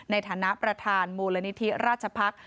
ในฐานะประธานมูลหนิทรรัทชัพรรค